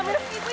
ibu enggak ibu